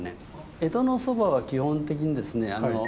江戸の蕎麦は基本的にですね